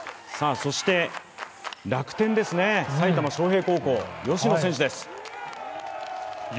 そして楽天ですね、埼玉昌平高校吉野選手です。